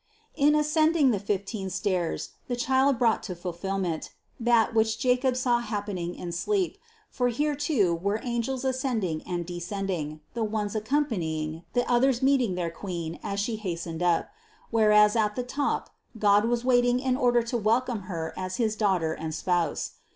In ascending the fifteen stairs the Child brough to fulfillment, that, which Jacob saw happening in sleep ; for here too were angels ascend ing and descending: the ones accompanying, the others meeting their Queen as She hastened up ; whereas at the top God was waiting in order to welcome Her as his Daughter and Spouse.